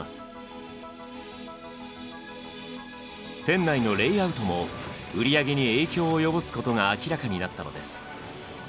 店内のレイアウトも売り上げに影響を及ぼすことが明らかになったのです。